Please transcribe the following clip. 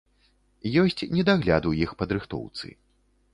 Ёсць недагляд у іх падрыхтоўцы.